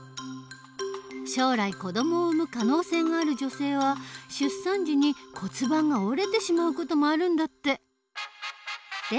将来子どもを産む可能性がある女性は出産時に骨盤が折れてしまう事もあるんだって。